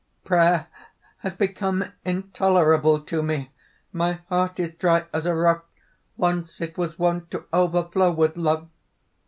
Prayer has become intolerable to me! My heart is dry as a rock! Once, it was wont to overflow with love!...